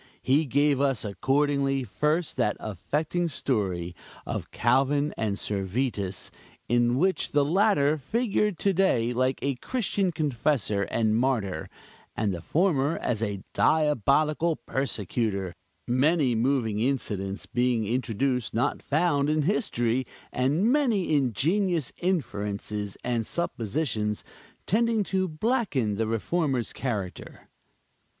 He gave us, accordingly, first, that affecting story of Calvin and Servetus, in which the latter figured to day like a Christian Confessor and martyr, and the former as a diabolical persecutor; many moving incidents being introduced not found in history, and many ingenious inferences and suppositions tending to blacken the Reformer's character.